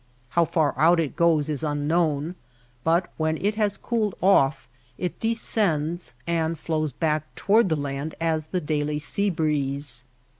How far out it goes is nnknown, but when it has cooled oif it descends and flows back toward the land as the daily sea breeze.